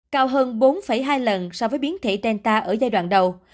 cao hơn bốn hai lần so với biến thể denta ở giai đoạn đầu